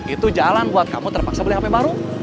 itu jalan buat kamu terpaksa beli hp baru